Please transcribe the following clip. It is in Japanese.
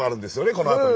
このあとに。